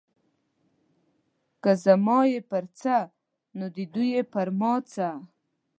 که زما یې پر څه نو د دوی پر ما څه.